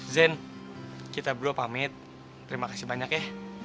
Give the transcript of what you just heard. zen kita blu pamit terima kasih banyak ya